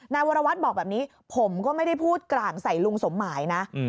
วรวัตรบอกแบบนี้ผมก็ไม่ได้พูดกลางใส่ลุงสมหมายนะ